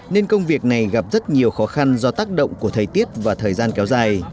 nên công việc này gặp rất nhiều khó khăn do tác động của thời tiết và thời gian kéo dài